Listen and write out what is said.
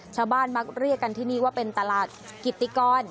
มักเรียกกันที่นี่ว่าเป็นตลาดกิติกร